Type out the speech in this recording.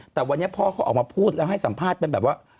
แต่วันนี้พ่อเขาออกมาพูดแล้วให้สัมภาษณ์เป็นแบบว่า